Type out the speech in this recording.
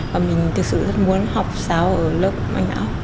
và mình thực sự rất muốn học xáo ở lớp anh mão